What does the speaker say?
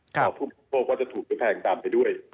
ขอบผู้บริโภคว่าจะถูกจะแพงตามไปด้วย